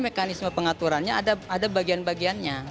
mekanisme pengaturannya ada bagian bagiannya